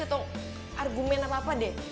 atau argumen apa apa deh